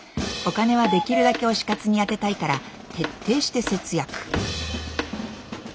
お金はできるだけ推し活に充てたいから徹底して節約。